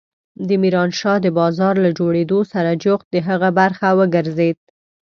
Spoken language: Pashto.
د ميرانشاه د بازار له جوړېدو سره جوخت د هغه برخه وګرځېد.